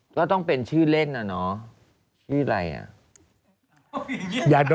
ก็ต้องเป็นชื่อเล่นน่าเนาะ